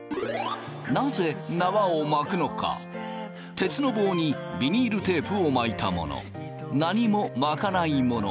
鉄の棒にビニールテープを巻いたもの何も巻かないもの